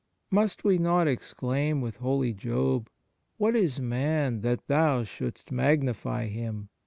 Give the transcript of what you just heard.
Must we not exclaim with holy Job: " What is man that Thou shouldst magnify him